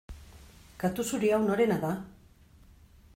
Katu zuri hau norena da?